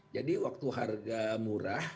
jadi waktu harga murah